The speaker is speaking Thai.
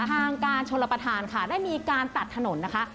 ทางการชนรับประทานค่ะได้มีการตัดถนนนะคะ